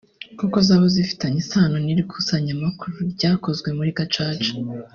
koko zaba zifitanye isano n’ikusanyamakuru ryakozwe muri Gacaca